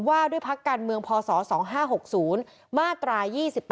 ว่าด้วยพักการเมืองพศ๒๕๖๐มาตรา๒๘